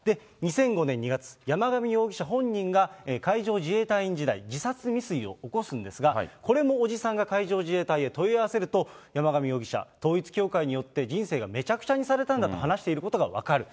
２００５年２月、山上容疑者本人が海上自衛隊員時代、自殺未遂を起こすんですが、これも伯父さんが海上自衛隊に問い合わせると、山上容疑者、統一教会によって人生がめちゃくちゃにされたんだと話していることが分かる。